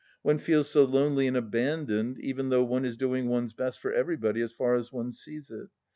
One feels so lonely and abandoned, even though one is doing one's best for everybody, as far as one sees it.